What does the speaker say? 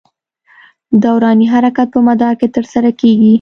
دوراني حرکت په مدار کې تر سره کېږي.